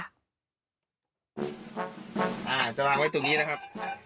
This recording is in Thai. อาหารจะลากไว้ตรงนี้นะครับ